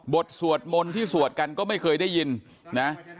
สวดมนต์ที่สวดกันก็ไม่เคยได้ยินนะ